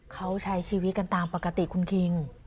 เขาใช้ชีวิตกันตามปกติคุณคิง